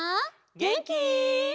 げんき？